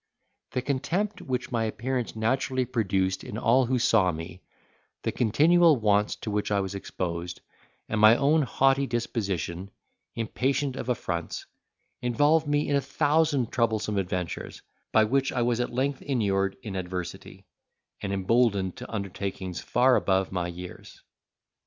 The contempt which my appearance naturally produced in all who saw me, the continual wants to which I was exposed, and my own haughty disposition, impatient of affronts, involved me in a thousand troublesome adventures, by which I was at length inured in adversity, and emboldened to undertakings far above my years.